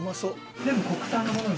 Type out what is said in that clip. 全部国産のものに。